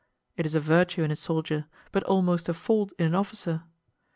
It is a virtue in a soldier, but almost a fault in an officer.